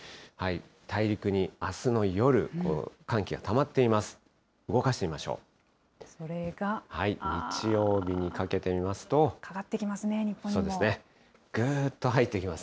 大陸にあすの夜、寒気がたまっています。